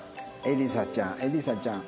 えりさちゃんえりさちゃん。